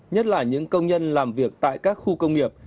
nhất là những công nhân làm việc tại các khu công nghiệp